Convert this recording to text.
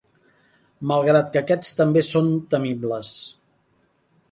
Malgrat que aquests també són temibles.